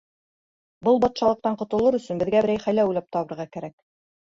— Был батшалыҡтан ҡотолор өсөн, беҙгә берәй хәйлә уйлап табырға кәрәк.